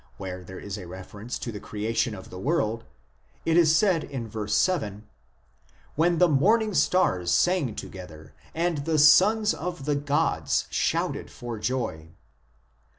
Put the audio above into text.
where there is a reference to the creation of the world, it is said in verse 7, "... When the morning stars sang together, and the sons of the gods shouted for joy " (cp.